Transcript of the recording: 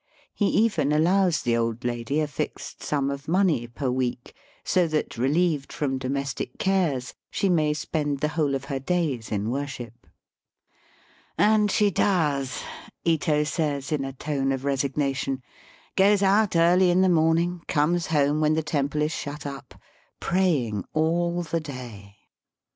He even allows the old lady a fixed sum of money per week, so that, relieved from domestic cares, she may spend the whole of her days in worship. *^And she does," Ito says in a tone of resignation :^^ goes out early in the morning, comes home when the temple is shut up, pray ing all the day."